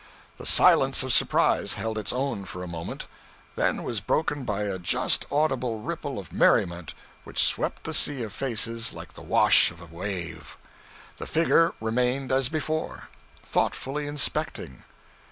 The silence of surprise held its own for a moment, then was broken by a just audible ripple of merriment which swept the sea of faces like the wash of a wave. The figure remained as before, thoughtfully inspecting.